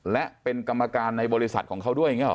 และเป็นกรรมการในบริษัทของเขาด้วยอย่างนี้ห